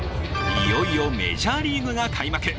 いよいよメジャーリーグが開幕。